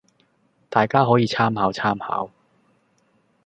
大家可以參考參考